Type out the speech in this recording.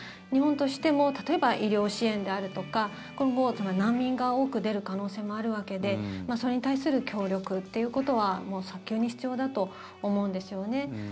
日本としても例えば医療支援であるとか今後、難民が多く出る可能性もあるわけでそれに対する協力っていうことは早急に必要だと思うんですよね。